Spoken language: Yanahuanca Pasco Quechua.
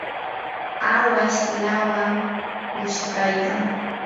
awash lawam pushqaykan.